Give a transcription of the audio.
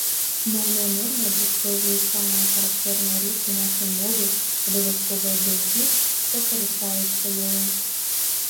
Моўныя нормы адлюстроўваюць самыя характэрныя рысы нашай мовы, абавязковыя для ўсіх, хто карыстаецца ёю.